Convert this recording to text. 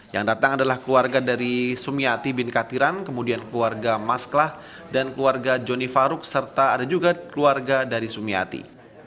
yang datang adalah keluarga dari sumiati bin katiran kemudian keluarga masklah dan keluarga joni faruk serta ada juga keluarga dari sumiati